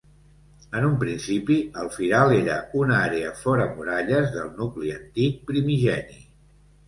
En un principi, el Firal era una àrea fora muralles del nucli antic primigeni.